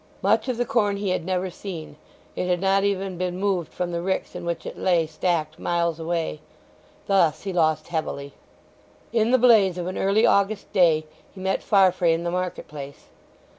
Much of the corn he had never seen; it had not even been moved from the ricks in which it lay stacked miles away. Thus he lost heavily. In the blaze of an early August day he met Farfrae in the market place.